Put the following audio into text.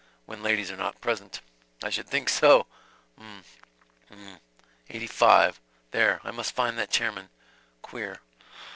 . when ladies are not present ... I should think so ... .'m ... 'm. Eighty five. There. I must find that chairman. Queer.